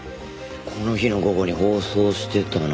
この日の午後に放送してたのは。